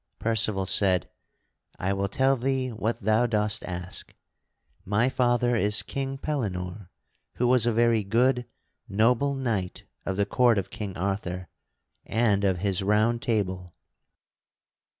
Percival said: "I will tell thee what thou dost ask: my father is King Pellinore who was a very good, noble knight of the court of King Arthur and of his Round Table."